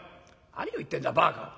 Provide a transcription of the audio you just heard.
何を言ってんだバカ。